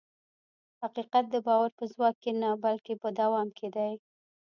حقیقت د باور په ځواک کې نه، بلکې په دوام کې دی.